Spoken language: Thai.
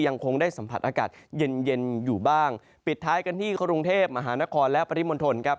ยังคงได้สัมผัสอากาศเย็นเย็นอยู่บ้างปิดท้ายกันที่กรุงเทพมหานครและปริมณฑลครับ